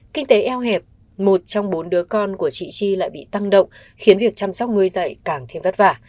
kinh tế eo hẹp một trong bốn đứa con của chị chi lại bị tăng động khiến việc chăm sóc nuôi dạy càng thêm vất vả